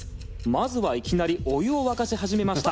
まずはいきなりお湯を沸かし始めました